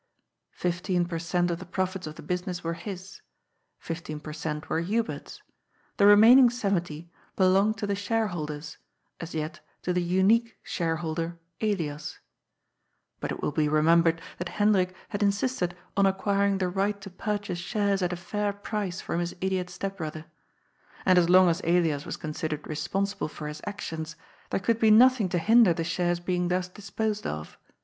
Fifteen per cent, of the profits of the business were his, fifteen per cent were Hubert's, the remaining seventy be longed to the shareholders, as yet to the unique shareholder, Elias. But it will be remembered that Hendrik had in sisted on acquiring the right to purchase shares at a fair price from his idiot step brother. And as long as Elias was considered responsible for his actions, there could be nothing to hinder the shares being thus disposed of.